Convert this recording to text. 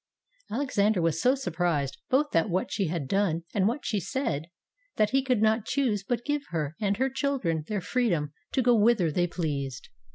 Alexander was so surprised, both at what she had done, and what she said, that he could not choose but give her and her children their freedom to go whither they pleased.